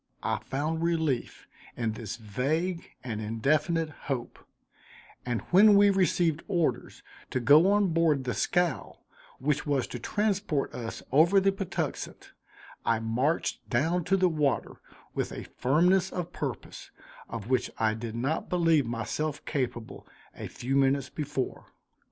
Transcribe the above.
I found relief in this vague and indefinite hope, and when we received orders to go on board the scow, which was to transport us over the Patuxent, I marched down to the water with a firmness of purpose of which I did not believe myself capable, a few minutes before.